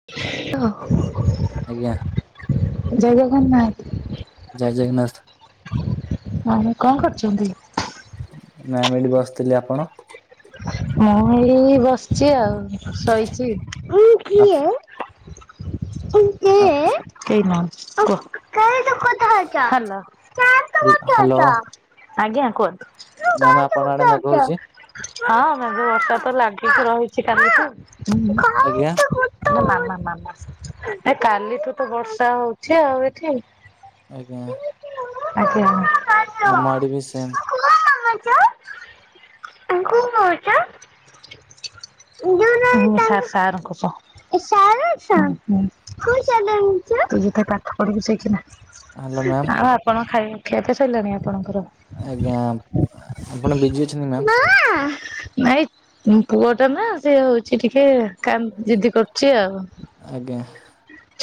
ହ [unintelligible] ଆଜ୍ଞା। ଜୟ ଜଗନ୍ନାଥ। ଜୟ ଜଗନ୍ନାଥ। ଆଉ କଣ କରୁଛନ୍ତି? ନାଇଁ ମୁଁ ଏଠି ବସିଥିଲି ଆପଣ? ମୁଁ ଏଇ ବସିଛି ଆଉ ଶୋଇଛି। ଆପ ଆଉ କେହି ନୁହନ୍ତି କୁହ ହାଲୋ। ହ୍ୟାଲୋ ଆଜ୍ଞା କୁହ ମ୍ୟାମ ଆପଣ ଆଡେ ମେଘ ହଉଛି? ହଁ ମେଘ ବର୍ଷା ତ ଲାଗିକି ରହିଛି କାଲି ଠୁ। ଆଜ୍ଞା ମାମା ମାମା ଆ ଏ କାଲି ଠୁ ତ ବର୍ଷା ହଉଛି ଆଉ ଏଠି। ଆଜ୍ଞା। ଆମ ଆଡେ ବି ସେମ୍ ଆଜ୍ଞା। ମୁଁ ସା-ସାର୍ ଙ୍କ ସହ। ହୁଁ ହୁଁ ତୁ ଜ ପାଠ ପଢ଼ିବୁ ସେଇଠି ନା। ହ୍ୟାଲୋ ମ୍ୟାମ ଆଉ ଆପଣ ଖାଇବା ଖିଆ ତ ସଇଲାଣି ଆପଣ ଆଜ୍ଞା ଆ ଆପଣ ବିଜି ଅଛନ୍ତି ମ୍ୟାମ? ନାଇଁ ଉଁ ପୁଅ ଟା ନା ସେ ହଉଛି ଟିକେ କାମ ଜିଦି କରୁଛି ଆଉ। ଆଜ୍ଞା।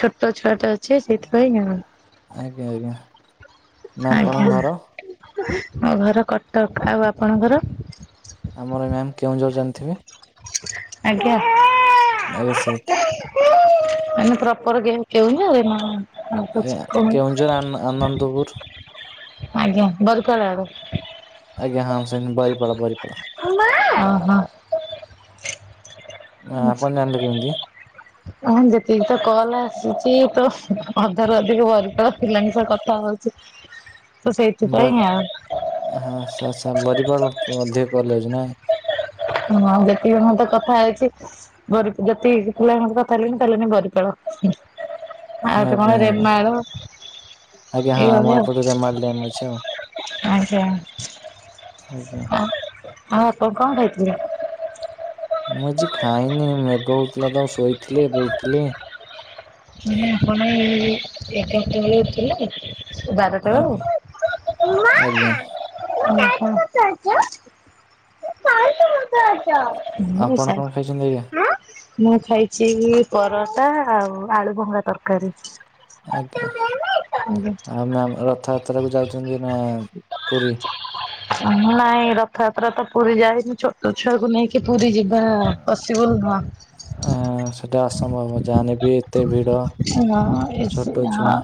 ଛୋଟ ଛୁଆଟା ଅଛି ସେଇଥିପାଇଁ ଆଉ। ଆଜ୍ଞା ଆଜ୍ଞା। ମ୍ୟାମ ଆପଣଙ୍କ ଆଜ୍ଞା ଘର ମୋ ଘର କଟକ ଆଉ ଆପଣଙ୍କର? ଆମର ମ୍ୟାମ୍ କେଉଁଝର ଜାଣିଥିବେ? ଆଜ୍ଞା। ଆଜ୍ଞା ସେଇଠି। ମାନେ ପ୍ରପର କେଉଁ କେଉଁଝର ନା? ଆଜ୍ଞା କେଉଁଝର ଆନ -ଆନନ୍ଦପୁର। ଆଜ୍ଞା ବରକଳା ଆଡେ। ଆଜ୍ଞା ହଁ ସେନ ବରିପାଳ ବରିପାଳ। ଓହୋ। ଆ ଆପଣ ଜାଣିଲେ କେମିତି? ହଁ ଯେତିକି ତ କଲ ଆସିଛି ତ ଅଧାରୁ ଅଧିକ ବରିପାଳ ପିଲାଙ୍କ ସହ କଥା ହଉ [inaudible] [unintelligible] ହଁ ଯେତିକି [unintelligible] କଥା ହେଇଛି। ବରି ଯେତିକି ପିଲାଙ୍କ ସହିତ କଥା ହେଲିଣିି କହିଲେ ଆମେ ବରିପାଳ। ଆଉ ଗୋଟେ ଆଜ୍ଞା କଣ ଆଜ୍ଞା ରେମାଳ। ଆଜ୍ଞା ହଁ ଆମ ଏଇଭଳିଆ ଆଉ। ଏପଟେ ରେମାଲ ଡ୍ୟାମ ଅଛି ଆଉ। ଆଜ୍ଞା। ଆଜ୍ଞା। ଆଉ ଆଉ ଆପଣ କଁ ଖାଇଥିଲେ? ମୁଁ ଆଜି ଖାଇନି ମେଘ ହୋଉଥିଲା ତ ମୁଁ ଶୋଇଥିଲି ଏବେ ଉଠିଲି। ମାନେ ଆପଣ ଏଇ ଏଗାରଟା ବେଳେ ଉଠିଲେ? ଏ ବାରଟା ବେଳୁ। ଆଜ୍ଞା ଆଜ୍ଞା ଆପଣ କଣ ଖାଇଛନ୍ତି ଆଜ୍ଞା [unintelligible] [unintelligible] ମୁଁ ଖାଇଛି ପରଟା ଆଉ ଆଳୁ ଭଙ୍ଗା ତରକାରୀ। ଆଜ୍ଞା ଆମେ ଆମ ରଥଯାତ୍ରା କୁ ଯାଉଛନ୍ତି ନା ପୁରୀ? [inaudible] ନାଇଁ ରଥଯାତ୍ରା ତ ପୁରୀ ଯାଇନୁ ଛୋଟୋ ଛୁଆକୁ ନେଇକି ପୁରୀ ଯିବା ପସିବୁଲ୍ ନୁହଁ। [unintelligible] ସେଟା ଅସମ୍ଭବ ଜାହା ହେନେ ବି ଏତେ ଭିଡ ହଁ ଏ ଛୋଟୋ ଛୁଆ। ହଁ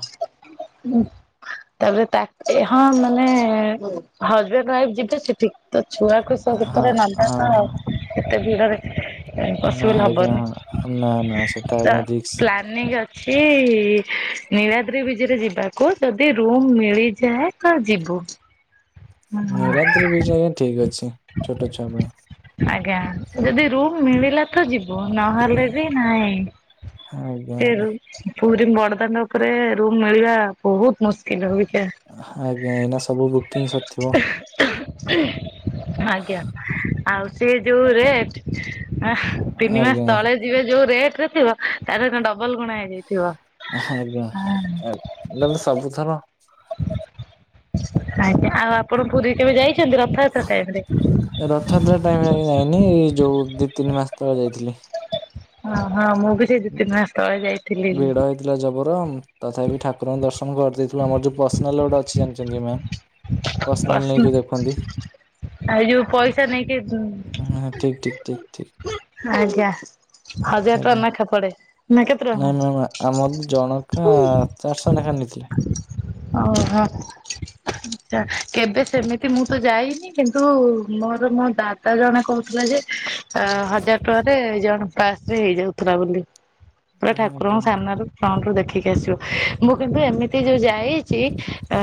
ତାପରେ ତା ଏ ହଁ ମାନେ ହଜବେଣ୍ଡ ୱାଇଫ୍ ଯିବେ ସେ ଠିକ ତ ଛୁଆକୁ ହଁ [unintelligible] ନେବା ହଁ ତ ଆଉ ହଁ ଏତେ ଭିଡ଼ରେ [unintelligible] ଆଜ୍ଞା, ନା ନା ସେଟା ଆଜ୍ଞା ରିସ୍କ। ପାନିଙ୍ଗି ଅଛି ନୀଳାଦ୍ରି ବିଜରେ ଯିବାକୁ ଯଦି ରୁମ୍ ମିଳିଯାଏ? ତ ଯିବୁ। ହୁଁ ନୀଳାଦ୍ରି ବିଜେ ଆଜ୍ଞା ଠିକ୍ ଅଛି ଛୋଟୋ ଛୁଆ ପାଇଁ। ଆଜ୍ଞା ଯଦି ରୁମ୍ ମିଳିଲା ତ ଯିବୁ ନହେଲେ ବି ନାଇଁ ଆଜ୍ଞା ସେ ଆଜ୍ଞା। ରୁମ୍ ପୁରୀ ବଡ଼ଦାଣ୍ଡ ଉପରେ ରୁମ୍ ମିଳିବା ବୋହୁତ ମୁସ୍କିଲ ଅବିକା। ଆଜ୍ଞା ଏଇନା ସବୁ ବୁକିଙ୍ଗି ସରିଥିବ। ଆଜ୍ଞା ଆଉ ସିଏ ଯୋଉ ରେଟ୍। ତିନି ମାସ ଆଜ୍ଞା ତଳେ ଯିବେ ଯୋଉ ରେଟ ରେ ଥିବ ତାର [unintelligible] ଡବଲ ଗୁଣା ହେଇ ହେଇଥିବ ହୁଁ। ସେଟା ତ ସବୁଥର। ଆଜ୍ଞା ଆଉ ଆପଣ ପୁରୀ କେବେ ଯାଇଛନ୍ତି ରଥଯାତ୍ରା ଟାଇମ୍ ରେ? ରଥଯାତ୍ରା ଟାଇମ ଆଜ୍ଞା ଯାଇନି ଏଇ ଯୋଉ ଦିଇ ତିନି ମାସ ତଳେ ଯାଇଥିଲି। ଅଁହଁ ମୁଁ ବି ସେଇ ଦୁଇ ତିନି ମାସ ତଳେ ଯାଇଥିଲି। ଥିଲା ଜବର ତଥାପି ଠାକୁରଙ୍କୁ ଦର୍ଶନ କରିଦେଇଥିଲୁ ଆମର ଯୋଉ ପର୍ସନାଲ ଗୋଟେ ଅଛି ଜାଣିଚନ୍ତି୍ କି ମ୍ୟାମ। [unintelligible] ଆ ଯୋଉ ପଇସା ନେଇକି ହଁ ଠିକ ଠିକ ଠିକ ଠିକ ଆଜ୍ଞା। ହଜାର ଆଜ୍ଞା। ଟଙ୍କା ନାଖା ପଡେ ନା କେତେ ନାଇଁ ମ୍ୟାମ୍ ଆମର ଜଣକା ଟଙ୍କା। ଚାରିଶହ ନାଖା ନେଇଥିଲେ। [unintelligible] ହଁ। ଆଚ୍ଛା କେବେ ସେମିତି ମୁଁ ତ ଯାଇନି କିନ୍ତୁ ମୋରୋ ମୋ ଦା ଦା ଜଣେ କୋହୁଥୁଲା ଯେ ଅ ହଜାର ଟଙ୍କାରେ ଜଣକ ପାସ୍ ରେ ହେଇଯାଉଥୁଲା ବୋଲି ପୁରା ଠାକୁରଙ୍କ ଆଜ୍ଞା ସାମ୍ନାରୁ। ଫ୍ରଣ୍ଟରୁ ଦେଖିକି ଆସିବ ମୁଁ କିନ୍ତୁ ଏମିତି ଯୋଉ ଯାଇ ଚି ଆ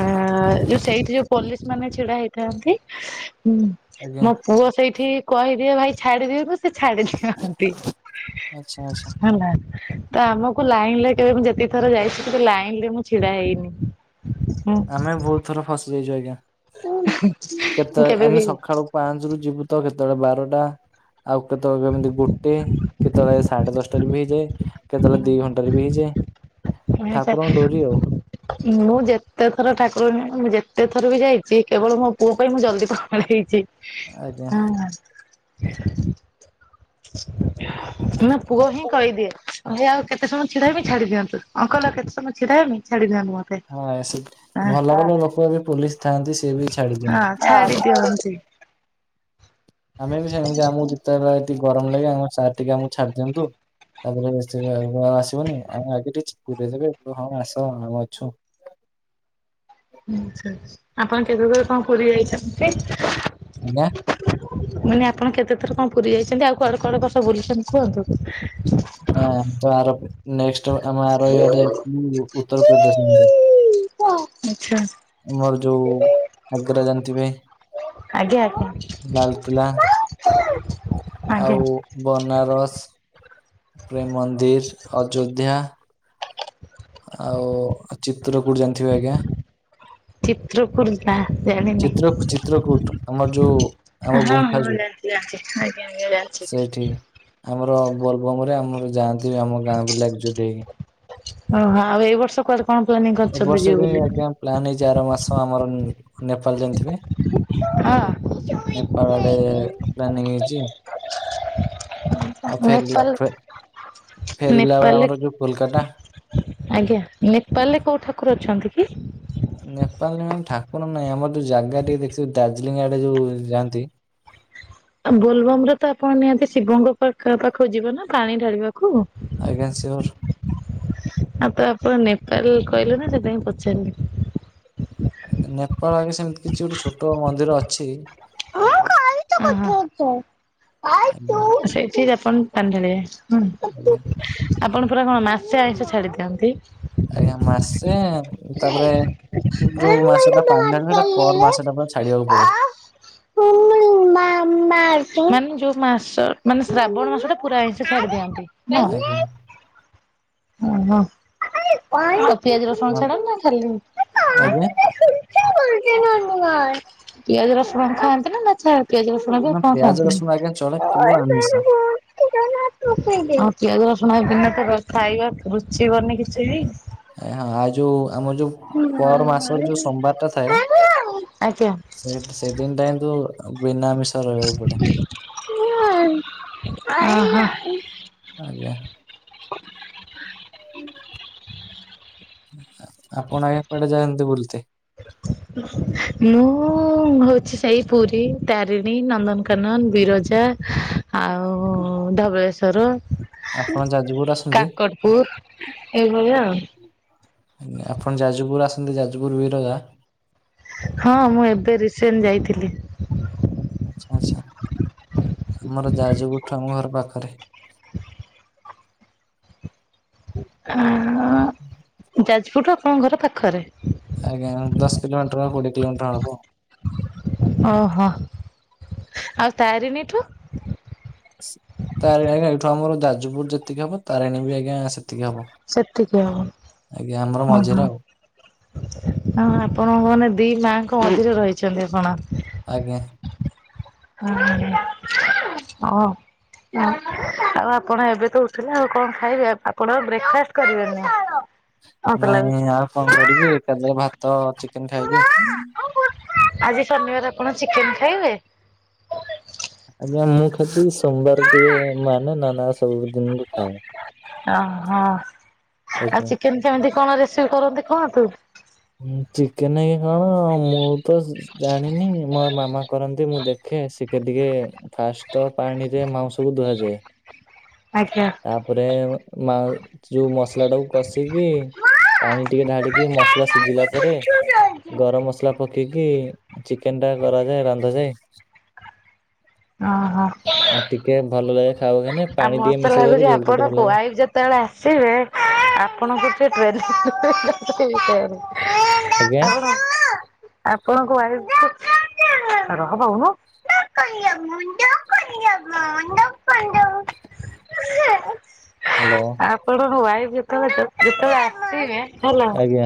ଯୋଉ ସେଇଠି ଯୋଉ ପୋଲିସ ମାନେ ଛିଡା ହେଇଥାନ୍ତି ଉଁ ଆଜ୍ଞା ମୋ ପୁଅ ସେଇଠି କହିଦିଏ ଭାଇ ଛାଡିଦିଅନ୍ତୁ। ସେ ଛାଡିଦିଅନ୍ତି ଆଚ୍ଛା ଆଚ୍ଛା ହେଲା। ତ ଆମକୁ ଲାଇନ ରେ କେବେ ମୁଁ ଯେତିକି ଥର ଯାଇଛି କେବେ ଲାଇନ୍ ରେ ମୁଁ ଛିଡା ହେଇନି। ଆମେ ବହୁତ ଥର ଫସିଯାଇଛୁ ଆଜ୍ଞା। ଉଁ ହୁଁ। କେତେ ଆମେ ସକାଳୁ ପାଞ୍ଚ ରୁ ଯିବୁ ତ କେତେବେଳେ ବାରଟା। ଆଉ କେତେବେଳେ କେମିତି ଗୋଟେ କେତେବେଳେ ସାଢେ ଦଶଟାରେ ବି ହେଇଯାଏ। କେତେବେଳେ ଦି ଘଣ୍ଟାରେ ବି ହେଇଯାଏ। ଠାକୁରଙ୍କ ଡୋରି ଆଉ। [unintelligible] ମୁଁ ଯେତେ ଥର ଠାକୁରଙ୍କ ମୁଁ ଯେତେ ଥର ବି ଯାଇଛି କେବଳ ମୋ ପୁଅ ପାଇଁ ମୁଁ ଜଲଦି ପଳାଇ ଆଇଛି। ଆଜ୍ଞା [unintelligible] ପୁଅ ହିଁ କହିଦିଏ ଭାଇ ଆଉ କେତେ ସମୟ ଛିଡା ହେବ ଛାଡ଼ି ଦିଅନ୍ତୁ, ଅଙ୍କଲ ଆଉ କେତେ ସମୟ ଛିଡ଼ା ହେବି ଛାଡ଼ି ଦିଅନ୍ତୁ ମତେ। ହଁ ହଁ ଭଲ ଭଲ ଲୋକ ବି ପୋଲିସ୍ ଥାଆନ୍ତି ସେ ବି ଛାଡି ହଁ ଛାଡି ଦିଅନ୍ତି। ଦିଅନ୍ତି। ଆମେ ବି ସେମତି ଆମକୁ ଯେତେବେଳେ ଟିକେ ଗରମ ଲାଗେ ସାର୍ ଟିକେ ଆମକୁ ଛାଡ଼ିଦିଅନ୍ତୁ। ତାପରେ ସେ ଆସିବନି ଆମେ ଆଗ ଟିକ ପୁରରେ ଦେବେ ହଁ ଆସ ଆମେ ଅଛୁ। ଆଛା, ଆପଣ କେବେ କେବେ କଣ ପୁରୀ ଯାଇଛନ୍ତି? ଆଞ୍ଜା। ମୁଅନି ଆପଣ କେତେ ଥର କଣ ପୁରୀ ଯାଇଛନ୍ତି ଆଉ କୁଆଡେ କୁଆଡେ କଣ ସବୁ ବୁଲିଛନ୍ତି କୁହନ୍ତୁ? ହଁ ତ ଆର ନେସ୍ଟ ଆମ ଆରଏ ଅଧେ ଜାଇଉନ୍ ଉତ୍ତରପ୍ରଦେଶ। ଆଚ୍ଛା। ଆମର ଯୋଉ ଆଗ୍ରା ଜାଣଥିବେ? ଆଜ୍ଞା କୁହ ଲାଲକିଲ୍ଲା। [unintelligible] ଆଉ ବନାରସ, ପ୍ରେମ୍ ମନ୍ଦିର, ଅଯୋଧ୍ୟା। ଆଉ ଚିତ୍ରକୁଟ ଜାଣଥିବେ ଆଜ୍ଞା? ଚିତ୍ରକୁର ନାଁ ଚିତ୍ର ଜାଣିନି, ଚିତ୍ରକୂଟ ହଁ ଆମର ଯୋଉ ହଁ ଆମ ଜାଣ। ଗୁମ୍ଫା ଯୋଉ ଜାଣଚି ଆଜ୍ଞା ଆଜ୍ଞା ସେଇଠି ଜାଣଚି। ଆମର ବୋଲବମ ରେ ଆମର ଯାଆନ୍ତି ଆମ ଗାଁ ପିଲା ଏକଜୁଟ ହେଇକି। ଓହୋ ଆଉ ଏଇ ବର୍ଷ କୁଆଡେ କଣ ପ୍ଲାନିଂ ଏ କରଚନ୍ତି ବର୍ଷ ଯିବେ ବି ବୋଲି? ଆଜ୍ଞା ପ୍ଲାନ୍ ହେଇଚି ଆର ମାସ ଆମର ଉଁ ନେପାଳ ଜାଣଥିବେ? ହଁ। ନେପାଳ ଆଡେ ପ୍ଲାନିଂ ହେଇଚି। ଫେରିଲା ନେପାଲ, ଫେ ଫେରିଲା ବେଳେ ନେପାଲ ଲେ। ଆମର ଯୋଉ କୋଲକାତା ଆଜ୍ଞା ନେପାଲରେ କୋଉ ଠାକୁର ଅଛନ୍ତି କି? ନେପାଲରେ ମ୍ୟାମ ଠାକୁର ନାଇଁ ଆମର ଯୋଉ ଜାଗା ଟିକେ ଦେଖିଉ ଦାର୍ଜିଲିଂ ଆଡେ ଯୋଉ ଯାଆନ୍ତି। ବୋଲବମ ରେ ତ ଆପଣ ନିହାତି ଶିବଙ୍କ ପାକ ପାଖକୁ ଯିବ ନା ପାଣି ଢାଳିବାକୁ। ଆଜ୍ଞା ଶିଓର। ଆଁ ତ ଆପଣ ନେପାଲ କହିଲେ ନା ସେଥିପାଇଁ ପଚାରଲି। ନେପାଳ ଆଗେ ସେମତି କିଛି ଗୋଟେ ଛୋଟୋ ମନ୍ଦିର ଅଛି। ଅହଁ ଖାଇଛୁ ପଠେଇଦେ। ଆଜ୍ଞା [unintelligible] ସେଇଠି ଆପଣ ପାଣି ଢାଳିବେ ଆଜ୍ଞା। ଉଁ। ଆପଣ ପୁରା ଙ୍କ ମାସେ ଆଇଁଷ ଛାଡି ଥାଆନ୍ତି? ଆଜ୍ଞା ମାସେ ତାପରେ ଯୋଉ ମାନେ ମାସ ଟା ପାଣି ଢାଳିବେ ଏଟା ପର ମାସ ଟା ପୁରା ଛାଡିବାକୁ ପଡେ। ହୁଁ। [unintelligible] [unintelligible] ମାନେ ଯୋଉ ମାସ, ମାନେ ଶ୍ରାବଣ ମାସ ଟା ପୁରା ଆଇିଁସ ଛାଡ଼ି ଦିଅନ୍ତି? ନୁଅ, ଆଜ୍ଞା। ହଁ ହଁ। ଆଉ ପିଆଜ ରସୁଣ ହଁ ଛାଡ଼ନ୍ତି ନା ଖାଲିି? ଆଜ୍ଞା ହଁ [unintelligible] ପିଆଜ ରସୁଣ ଖାଆନ୍ତି ନା ଛା ପିଆଜ, ରସୁଣ ଯେ ନା ଙ୍କ ପିଆଜ ଖାନ୍ତିନୀ। ରସୁଣ ଆଜ୍ଞା ଚଳେ କେବଳ ଆମିଷ। ଅ ପିଆଜ ରସୁଣ ଏବେ ନ ପକାଅ ଖାଇବା ରୁଚିବନି କିଛି ବି। ଆ ହଁ ଆଉ ଯୋଉ ଆମ ଯୋଉ ପର ମାସର ଯୋଉ ସୋମବାର ଟା [unintelligible] ଆଜ୍ଞା। ସେଦିନଟା କିନ୍ତୁ ବିନାମିଷରେ ରହିବାକୁ ପଡେ। ଓ ହ। ଆଜ୍ଞା। ଆପଣ ଆଜ୍ଞା କୁଆଡେ ଯାଆନ୍ତି ବୁଲିତେ। ମୁଁ ହୋଊଚି ସେଇ ପୁରୀ ତାରିଣୀ ନନ୍ଦନକାନନ ବିରଜା ଆଉ ହୁଁ। ଧବଳେଶ୍ୱର ଯାଜପୁର ଆସନ୍ତି କାକଟପୁର୍ ଏଇଭଳିଆ ଆଉ। ଆଜ୍ଞା ଆପଣ ଯାଜପୁର ଆସନ୍ତି ଯାଜପୁର ବିରଜା। ହଁ ମୁଁ ଏବେ ରିସେଣ୍ଟ ଯାଇଥିଲି। ଆଛା ଆଛା ଆମର ଯାଜୁପୁରୁ ଠୁ ଆମ ଘର ପାଖରେ। ହୁଁ ଉଁ। ହୁଁ। ଯାଜପୁର ଠୁ ଆପଣଙ୍କ ଘର ପାଖରେ। ଆଜ୍ଞା ଦଶ କିଲୋମିଟର କୋଡ଼ିଏ କିଲୋମିଟର ହବ। ଓହୋ ଆଉ ତାରିଣୀଠୁ? ତାରିଣୀ ଆଜ୍ଞା ଏଇଠୁ ଆମର ଯାଜପୁର ଯେତିକି ହବ ତାରିଣୀ ବି ଆଜ୍ଞା ସେ ତିକି ହବ ସେତିକି ହବ। ଆଜ୍ଞା ଆମର ମଝିରେ ଆଉ। ହଁ ଆପଣଙ୍କ ମାନେ ଦି ମାଁ ଙ୍କ ମଝିରେ ରହିଚନ୍ତି ଆପଣ। ଆଜ୍ଞା। ହଁ ହଁ। ଆଉ ଆପଣ ଏବେ ତ ଉଠିଲେ ଆଉ କଣ ଖାଇବେ ଆପଣ ଆ ବ୍ରେକଫାଷ୍ଟ କରିବେନି। ମତେ ନାଇଁ ଲାଗୁଛି। ଆଉ କଣ କରିବି ଏକାଥରେ ଭାତ ଚିକେନ ଖାଇବି। ଆଜି ଶନିବାର ଆପଣ ଚିକେନ ଖାଇବେ। ଆଜ୍ଞା ମୁଁ ଖାଲି ସୋମବାର ଟିକେ ମାନେ ନହେନେ ଆଉ ସ ସବୁ ଦିନ ବି ଖାଏ ଆଜ୍ଞା। କେମତି କେମିତି କଣ ରେସିପି କରନ୍ତି କୁହନ୍ତୁ। ହଁ ଚିକେନେ ହଁ ମୁଁ ତ ଜାଣିନି ମୋର ମାମା କରନ୍ତି ମୁଁ ଦେଖେ ଶି ଖେ ଟିକେ ଫାଷ୍ଟ ତ ପାଣିରେ ମାଉଁସକୁୁ ଧୁଆଯାଏ। ଆଜ୍ଞା। ତାପରେ ମାଉ ଯୋଉ ମସଲା ଟାକୁ କଷିକି ଓହୋ ପାଣି ଟିକେ ଆଉ ଢ଼ାଳିକି ମସଲା ସିଝିଲା ପରେ ଗରମ ମସଲା ପକେଇକି ଚିକେନ ଟା କରାଯାଏ ରାନ୍ଧାଯାଏ। ଓ ହୋ। ଆଉ ଟିକେ ଭଲ ଲାଗେ ଖାଉବନେ ଆଉ ମୋତେ ତ ଲାଗୁଛି ଆପଣ କୁଆ ଯେତେବେଳେ ଆସିବେ ଆପଣଙ୍କୁ [unintelligible] ଆଜ୍ଞା। ଆପଣ ଆପଣଙ୍କ ୱାଇଫ କୁ [unintelligible] [inaudible] ହ୍ୟାଲୋ। ଆପଣଙ୍କ ୱାଇଫ ଯେତେବେଳେ ଯେତେବେଳେ ଆସିବେ ହେଲା ଆଜ୍ଞା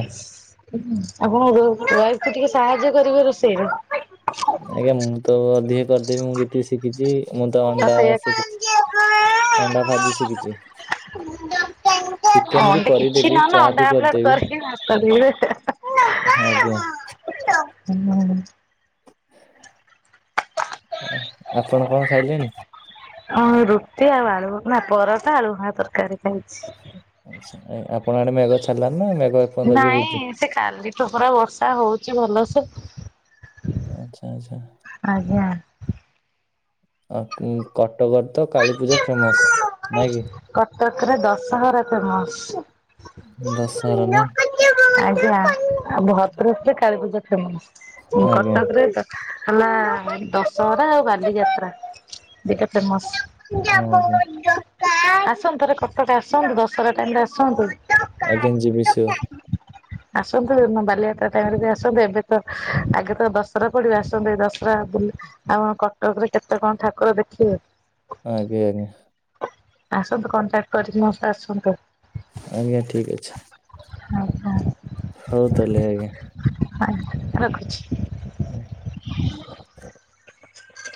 ଆପଣ ୱାଇଫ କୁ ଟିକେ ସାହାଯ୍ୟ କରିବେ ରୋଷେଇରେ। ଆଜ୍ଞା ମୁଁ ତ ଅଧିକ କରିଦେବି ମୁଁ ଯେତିକି ଶିଖିଚି। [unintelligible] କିଛି ଅଣ୍ଡା ଭାଜି ଶିଖିଛି ନହେଲେ ଅଣ୍ଡା ଚିକେନ ବି ଅମଲେଟ କରିଦେବି ଚାହା ବି କରିକି କରିଦେବି ଭା। [unintelligible] ଆଜ୍ଞା। ହୁଁ। ଆପଣ କଣ ଖାଇଲେଣି? ହଁ ରୁଟି ଆଉ ଆଳୁ ଭଜା ନା ପରଟା, [unintelligible] ତରକାରୀ ଖାଇଛି। ଆଚ୍ଛା। ଆପଣଙ୍କ ଆଡ଼େ ମେଘ ଛାଡ଼ିଲାଣି ନା ଏପର୍ଯ୍ୟନ୍ତ ବି ନାଇଁ ହଉଛି? ସେ କାଲିଠୁ ପୁରା ବର୍ଷା ହଉଚି ଭଲସେ। ଆଚ୍ଛା, ଆଚ୍ଛା। ଆଜ୍ଞା। ଆ କଟକରେ ତ କାଳୀ ପୂଜା ଫେମସ ନାଇଁ କି? କଟକରେ ଦଶହରା ଫେମସ। ଦଶହରା ନାଇଁ? ଆଜ୍ଞା, ଭଦ୍ରକରେ କାଳୀପୂଜା ଫେମସ ଆଜ୍ଞା କଟକରେ ହେଲା ଦଶହରା ଆଉ ବାଲି ଯାତ୍ରା ଦିଟା ଫେମସ। ହଁ ଆଜ୍ଞା ଆସନ୍ତୁ ଥରେ କଟକ ଆସନ୍ତୁ ଦଶହରା ଟାଇମ ରେ ଆସନ୍ତୁ। ଆଜ୍ଞା ଯିବି ସିଓର। ଆସନ୍ତୁ ବାଲିଯାତ୍ରା ଟାଇମ ରେ ବି ଆସନ୍ତୁ ଏବେ ତ ଆଗେ ତ ଦଶହରା ପଡ଼ିବ ଆସନ୍ତୁ ଦଶହ ରା ବୁଲି ଆଉ କଟକରେ କେତେ କଣ ଠାକୁର ଦେଖିବେ। ଆଜ୍ଞା। ଆସନ୍ତୁ କଣ୍ଟାକ୍ଟ କରିକି ମୋ ସହ ଆସନ୍ତୁ। ଆଜ୍ଞା ଠିକ ଅଛି। [unintelligible] ହଉ ତାହେଲେ ଆଜ୍ଞା। ହଁ ରଖୁଛି? [unintelligible]